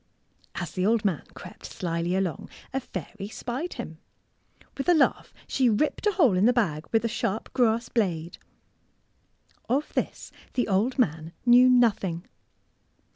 As the old man crept slyly along, a fairy spied him. With a laugh she ripped a hole in the bag with a sharp grass blade. Of this the old man knew nothing.